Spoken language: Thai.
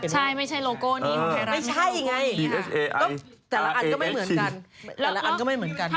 ใช่ไม่ใช่โลโก้นี้ของไทยรัฐ